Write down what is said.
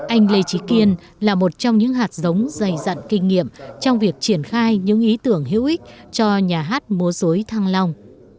anh lê trí kiên là một trong những hạt giống dày dặn kinh nghiệm trong việc triển khai những ý tưởng hữu ích cho nhà hát múa dối thăng long